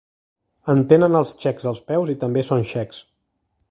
En tenen els txecs als peus i també són xecs.